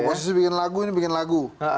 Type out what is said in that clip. posisi bikin lagu ini bikin lagu